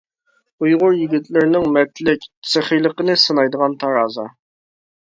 ئۇيغۇر يىگىتلىرىنىڭ مەردلىك، سېخىيلىقىنى سىنايدىغان تارازا.